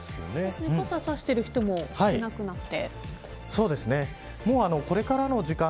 傘を差してる人も少なくなって。